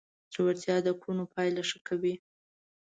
زړورتیا د کړنو پایله ښه کوي.